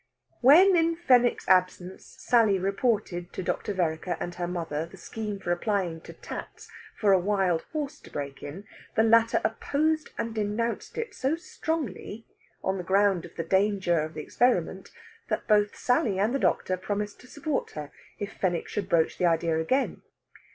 When, in Fenwick's absence, Sally reported to Dr. Vereker and her mother the scheme for applying to "Tat's" for a wild horse to break in, the latter opposed and denounced it so strongly, on the ground of the danger of the experiment, that both Sally and the doctor promised to support her if Fenwick should broach the idea again.